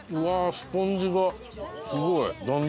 スポンジがすごい弾力。